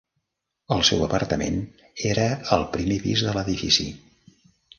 El seu apartament era al primer pis de l'edifici.